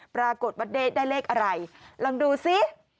ปรากฏว่าได้เลขอะไรลองดูสิ